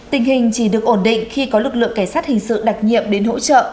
tình hình chỉ được ổn định khi có lực lượng cảnh sát hình sự đặc nhiệm đến hỗ trợ